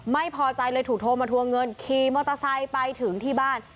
ไม่พอใจเลยถูกโทรมาทวงเงินขี่มอเตอร์ไซค์ไปถึงที่บ้าน